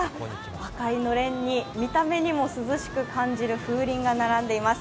赤いのれんに見た目にも涼しく感じる風鈴が並んでいます。